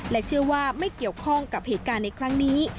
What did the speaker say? เชื่อว่าไม่เกี่ยวข้องกับเหตุการณ์ในครั้งนี้